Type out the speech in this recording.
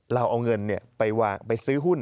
เราเอาเงินไปซื้อหุ้น